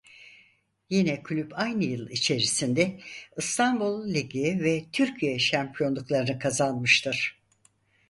Yine kulüp aynı yıl içerisinde İstanbul Ligi ve Türkiye Şampiyonluklarını kazanmıştır.